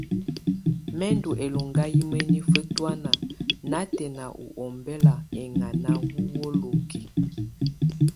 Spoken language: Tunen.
Mɛ̀ ndù ɛlɔŋga yɛ mǝnifǝ tɔ̀ána natɛna u ɔmbɛla ɛŋana ù wolokiǝ.